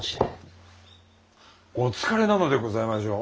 お疲れなのでございましょう。